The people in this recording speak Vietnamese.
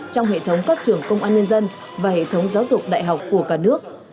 trong hệ thống các trường công an nhân dân và hệ thống giáo dục đại học của cả nước